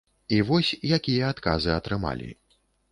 І вось, якія адказы атрымалі.